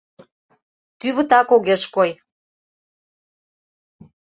Тӱвытак огеш кой.